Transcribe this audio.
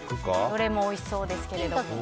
どれもおいしそうですけれども。